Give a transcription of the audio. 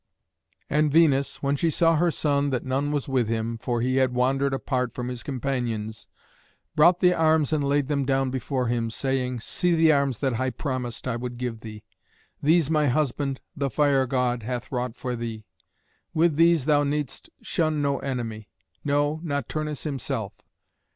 And Venus, when she saw her son that none was with him, for he had wandered apart from his companions, brought the arms and laid them down before him, saying, "See the arms that I promised I would give thee. These my husband, the Fire god, hath wrought for thee. With these thou needst shun no enemy; no, not Turnus himself."